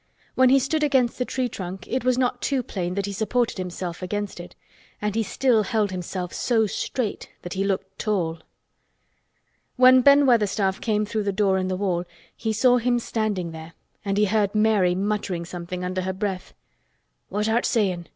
When he stood against the tree trunk it was not too plain that he supported himself against it, and he still held himself so straight that he looked tall. When Ben Weatherstaff came through the door in the wall he saw him standing there and he heard Mary muttering something under her breath. "What art sayin'?"